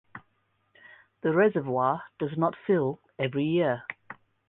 The reservoir does not fill every year.